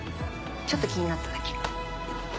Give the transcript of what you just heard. ちょっと気になっただけ。